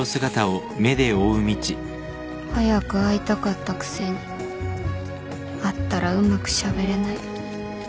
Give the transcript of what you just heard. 早く会いたかったくせに会ったらうまくしゃべれない